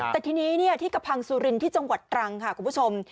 แต่ทีนี้ที่กระพังสุรินที่จังหวัดตรังค่ะคุณผู้ชม